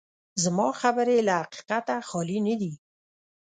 زما خبرې له حقیقته خالي نه دي.